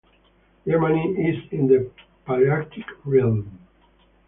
Germany is in the Palearctic realm.